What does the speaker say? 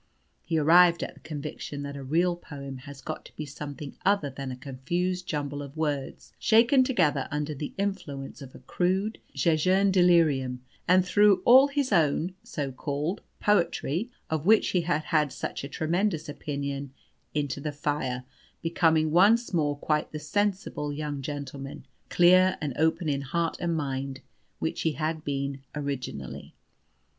He arrived at the conviction that a real poem has got to be something other than a confused jumble of words shaken together under the influence of a crude, jejeune delirium, and threw all his own (so called) poetry, of which he had had such a tremendous opinion, into the fire, becoming once more quite the sensible young gentleman, clear and open in heart and mind, which he had been originally.